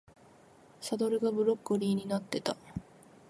サドルがブロッコリーになってた